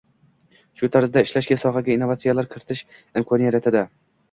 Shu tarzda ishlash sohaga innovatsiyalar kiritish imkoni yaratadi.